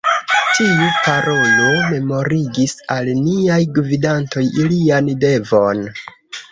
Tiu parolo memorigis al niaj gvidantoj ilian devon.